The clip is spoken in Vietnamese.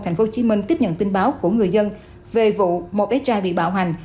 tp hcm tiếp nhận tin báo của người dân về vụ một bé trai bị bạo hành